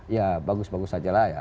ya bagus bagus sajalah ya